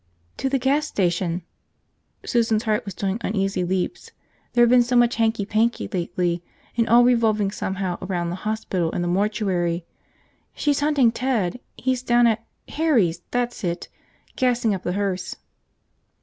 "To the gas station." Susan's heart was doing uneasy leaps. There had been so much hanky panky lately, and all revolving somehow around the hospital and the mortuary. "She's hunting Ted. He's down at – Harry's, that's it! – gassing up the hearse."